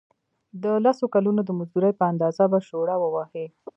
د لسو کلونو د مزدورۍ په اندازه به شوړه ووهي.